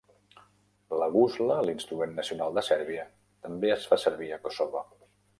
La gusla, l'instrument nacional de Sèrbia, també es fa servir a Kosovo.